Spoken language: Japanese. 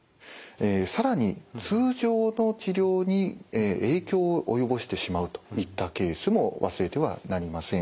更に通常の治療に影響をおよぼしてしまうといったケースも忘れてはなりません。